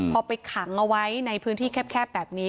พอไปขังเอาไว้ในพื้นที่แคบแบบนี้